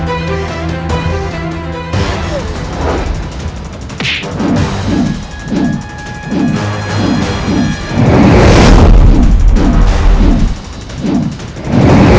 belasahaku seperti itu